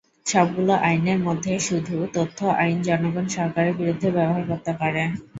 সবগুলো আইনের মধ্যে শুধু তথ্য আইন জনগণ সরকারের বিরুদ্ধে ব্যবহার করতে পারে।